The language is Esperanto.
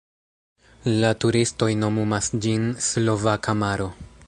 La turistoj nomumas ĝin Slovaka maro.